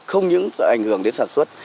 không những sẽ ảnh hưởng đến sản xuất